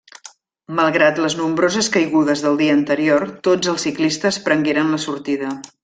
Malgrat les nombroses caigudes del dia anterior, tots els ciclistes prengueren la sortida.